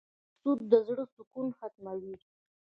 سود د زړه سکون ختموي.